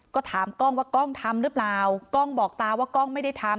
ก็ถามกล้องว่ากล้องทำหรือเปล่ากล้องบอกตาว่ากล้องไม่ได้ทำ